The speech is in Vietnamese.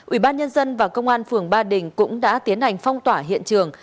ủy ban nhân dân và công an phường ba đình cũng đã tiến hành phong tỏa hiện trường